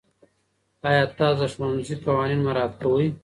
آیا تاسو د ښوونځي قوانین مراعات کوئ؟